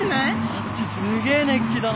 あっちすげえ熱気だな。